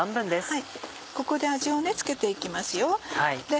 ここで味を付けて行きますよ。